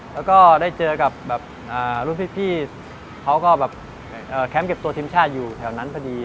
แล้วก็ได้เจอกับแบบรุ่นพี่เขาก็แบบแคมป์เก็บตัวทีมชาติอยู่แถวนั้นพอดี